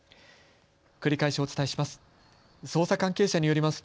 繰り返しお伝えします。